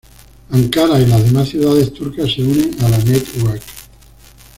Ankara y las demás ciudades turcas se unen a la network.